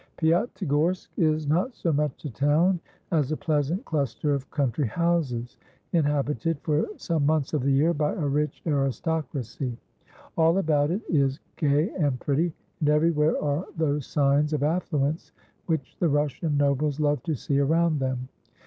Piatigorsk is not so much a town as a pleasant cluster of country houses, inhabited for some months of the year by a rich aristocracy. All about it is gay and pretty, and everywhere are those signs of affluence which the Russian nobles love to see around them.